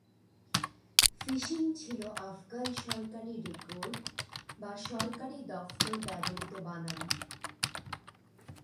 Fishing ছিল আফগান সরকারী record বা সরকারি দফতর ব্যবহৃত বানান।